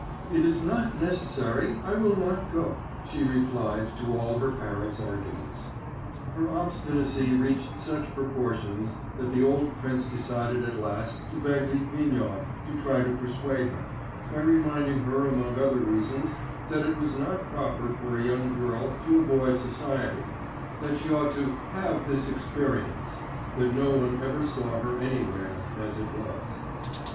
'It is not necessary, I will not go,' she replied to all her parents' arguments. Her obstinacy reached such proportions that the old prince decided at last to beg Litvinov to try to persuade her, by reminding her among other reasons that it was not proper for a young girl to avoid society, that she ought to 'have this experience,' that no one ever saw her anywhere, as it was.